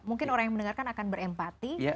mungkin orang yang mendengarkan akan berempati